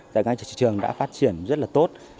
tại các thị trường đã phát triển rất là tốt